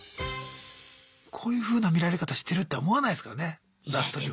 こういうふうな見られ方してるって思わないですからね出す時は。